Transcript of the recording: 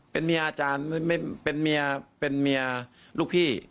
เป็นเมียอาจารย์เป็นเมียลูกพี่